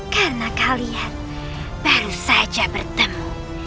karena kalian baru saja bertemu